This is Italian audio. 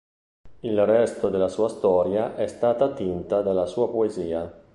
Il resto della sua storia è stata attinta dalla sua poesia.